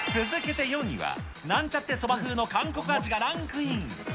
続けて４位は、なんちゃって蕎麦風の韓国味がランクイン。